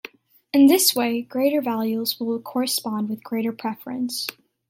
In this way greater values will correspond with greater preference.